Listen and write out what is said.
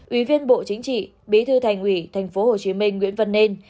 ủy viên bộ chính trị bí thư thành ủy tp hcm nguyễn văn nên